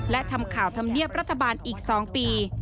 และทำข่าวธรรมเนียบรัฐบาลอีก๒ปี